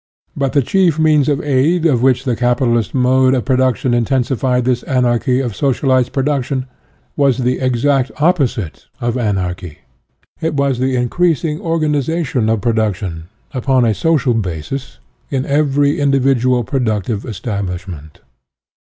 But the chief means by aid of which the capitalist mode of production intensified this anarchy of socialized production, was the exact oppo site of anarchy. It was the increasing organ ization of production, upon a social basis, in every individual productive establish ment.